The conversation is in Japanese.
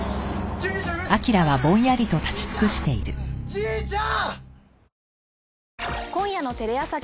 じいちゃん！